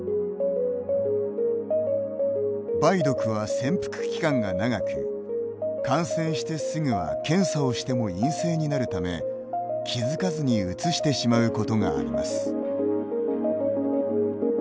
梅毒は潜伏期間が長く感染してすぐは検査をしても陰性になるため気付かずにうつしてしまうことがあります。